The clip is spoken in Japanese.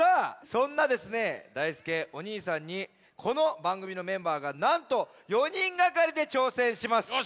そんなですねだいすけお兄さんにこのばんぐみのメンバーがなんと４にんがかりで挑戦します。